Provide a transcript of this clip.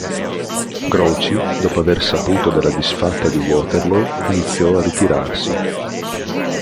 Grouchy, dopo aver saputo della disfatta di Waterloo, iniziò a ritirarsi.